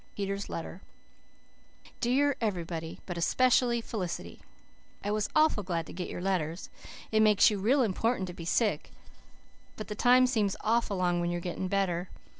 PETER'S LETTER "DEAR EVERYBODY, BUT ESPECIALLY FELICITY: I was awful glad to get your letters. It makes you real important to be sick, but the time seems awful long when you're getting better.